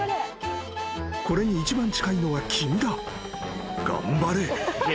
［これに一番近いのは君だ］